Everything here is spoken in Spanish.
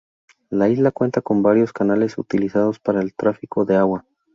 La isla cuenta con varios canales utilizados para el tráfico de agua.